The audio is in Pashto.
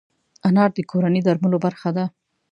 انار د کورني درملو برخه ده.